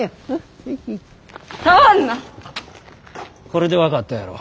これで分かったやろ。